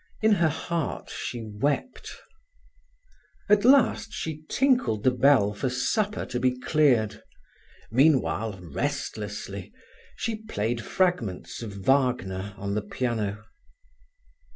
In her heart she wept. At last she tinkled the bell for supper to be cleared. Meanwhile, restlessly, she played fragments of Wagner on the piano.